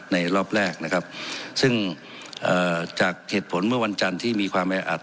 รอบแรกนะครับซึ่งเอ่อจากเหตุผลเมื่อวันจันทร์ที่มีความแออัด